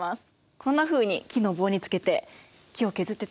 こんなふうに木の棒につけて木を削ってたんだね。